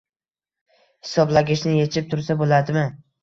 Hisoblagichni yechib tursa bo‘ladimi?